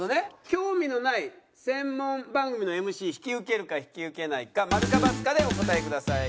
興味のない専門番組のＭＣ引き受けるか引き受けないか○か×かでお答えください。